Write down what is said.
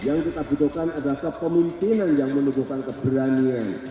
yang kita butuhkan adalah kemungkinan yang menunjukkan keberanian